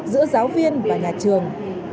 giữa giáo viên và nhà trường